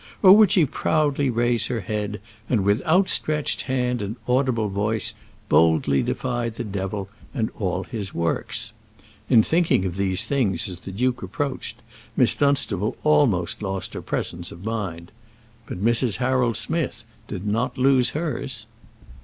or would she proudly raise her head, and with outstretched hand and audible voice, boldly defy the devil and all his works? In thinking of these things as the duke approached Miss Dunstable almost lost her presence of mind. But Mrs. Harold Smith did not lose hers.